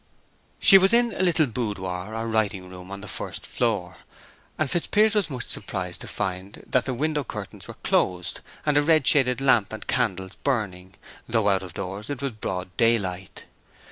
She was in a little boudoir or writing room on the first floor, and Fitzpiers was much surprised to find that the window curtains were closed and a red shaded lamp and candles burning, though out of doors it was broad daylight.